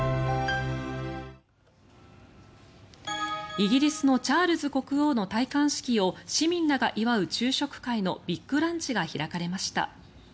イギリスのチャールズ国王の戴冠式を市民らが祝う昼食会のビッグランチが開かれました。